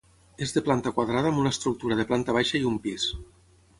És de planta quadrada amb una estructura de planta baixa i un pis.